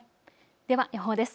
では予報です。